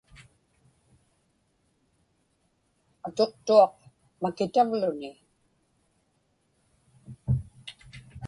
Atuqtuaq makitavluni.